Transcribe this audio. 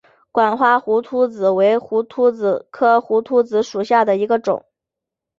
管花胡颓子为胡颓子科胡颓子属下的一个种。